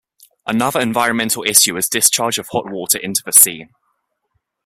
Another environmental issue is discharge of hot water into the sea.